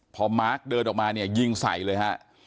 พอมาร์คเดินออกมาเนี่ยยิงใส่เลยฮะ